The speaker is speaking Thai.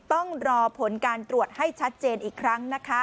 ต้องรอผลการตรวจให้ชัดเจนอีกครั้งนะคะ